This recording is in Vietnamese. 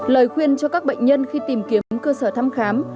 lời khuyên cho các bệnh nhân khi tìm kiếm cơ sở thăm khám